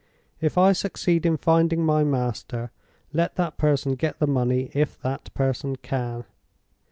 If I succeed in finding my master, let that person get the money if that person can.